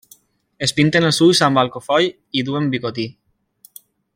Es pinten els ulls amb alcofoll i duen bigoti.